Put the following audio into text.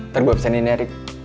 ntar gua pesenin ya rik